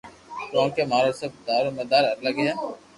ڪونڪہ مارو سب دارو مدار اڪگ ھھي